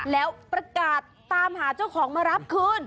แล้วประกาศตามหาเจ้าของมารับคืน